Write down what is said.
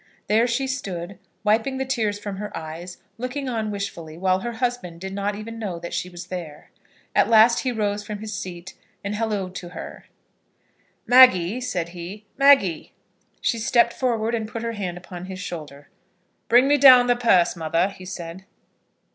There she stood, wiping the tears from her eyes, looking on wishfully, while her husband did not even know that she was there. At last he rose from his seat, and hallooed to her. "Maggie," said he, "Maggie." She stepped forward, and put her hand upon his shoulder. "Bring me down the purse, mother," he said.